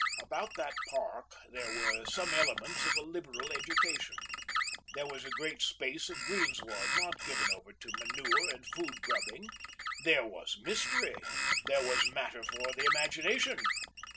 About that park there were some elements of a liberal education; there was a great space of greensward not given over to manure and food grubbing; there was mystery, there was matter for the imagination.